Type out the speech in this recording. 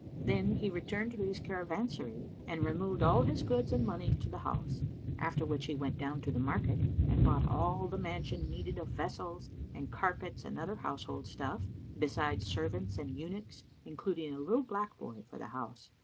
Then he returned to his caravanserai and removed all his goods and monies to the house; after which he went down to the market and bought all the mansion needed of vessels and carpets and other household stuff, besides servants and eunuchs, including a little black boy for the house.